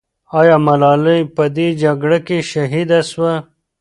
آیا ملالۍ په دې جګړه کې شهیده سوه؟